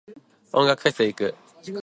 音楽フェス行く。